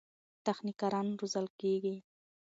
تخنیکران روزل کېږي.